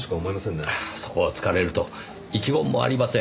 そこを突かれると一言もありません。